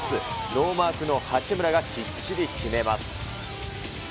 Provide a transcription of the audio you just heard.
ノーマークの八村がきっちり決めます。